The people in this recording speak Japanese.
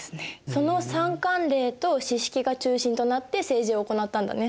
その三管領と四職が中心となって政治を行ったんだね。